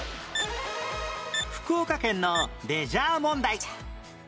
福岡県のレジャー問題